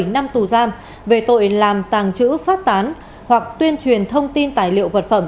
bảy năm tù giam về tội làm tàng trữ phát tán hoặc tuyên truyền thông tin tài liệu vật phẩm